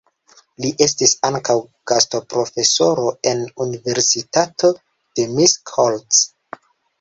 Li estis ankaŭ gastoprofesoro en Universitato de Miskolc.